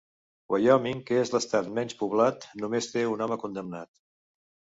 Wyoming, que és l'estat menys poblat, només té un home condemnat.